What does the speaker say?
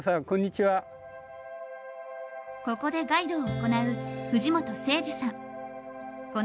ここでガイドを行う藤本誠司さん。